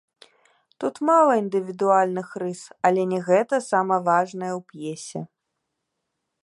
Тут мала індывідуальных рыс, але не гэта самае важнае ў п'есе.